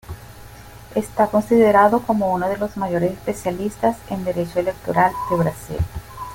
Está considerado como uno de los mayores especialistas en Derecho Electoral de Brasil.